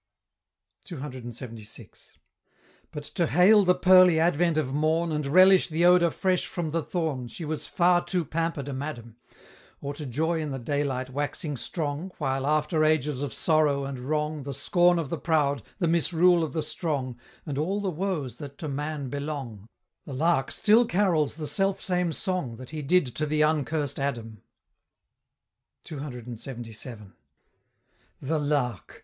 CCLXXVI. But to hail the pearly advent of morn, And relish the odor fresh from the thorn, She was far too pamper'd a madam Or to joy in the daylight waxing strong, While, after ages of sorrow and wrong, The scorn of the proud, the misrule of the strong, And all the woes that to man belong, The Lark still carols the selfsame song That he did to the uncurst Adam! CCLXXVII. The Lark!